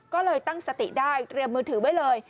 ก็เลยตั้งสติได้เตรียมมือถือไว้เลย